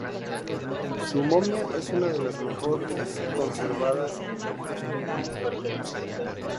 Su momia es una de las mejor conservadas de Egipto.